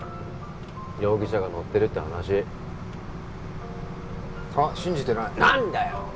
容疑者が乗ってるって話あっ信じてない何だよ！